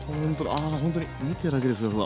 ああほんとに見てるだけでフワフワ。